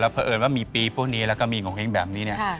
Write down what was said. เพราะเอิญว่ามีปีพวกนี้แล้วก็มีโงเห้งแบบนี้เนี่ย